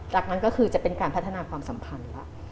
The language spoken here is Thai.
หลักนั้นก็คือจะเป็นการพัฒนาความสัมพันธ์แล้ว